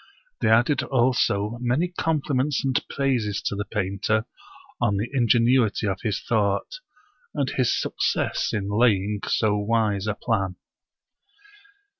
They added also many compliments and praises to the painter on the ingenuity of his thought, and his success in laying so wise a plan.